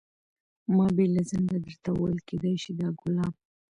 ما بې له ځنډه درته وویل کېدای شي دا ګلاب.